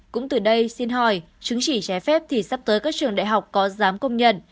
cũng từ đây xin hỏi chứng chỉ trái phép thì sắp tới các trường đại học có dám công nhận